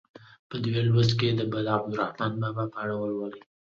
په دې لوست کې به د عبدالرحمان بابا په اړه ولولئ.